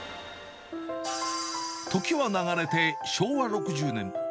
時は流れて、昭和６０年。